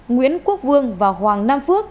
nguyễn quốc vương và hoàng nam phước